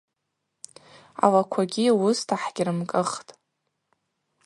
Алаквагьи уыста хӏгьрымкӏыхтӏ.